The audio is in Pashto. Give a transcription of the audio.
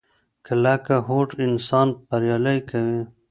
کلکه هوډ انسان بریالی کوي.